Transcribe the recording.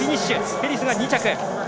ペリスが２着。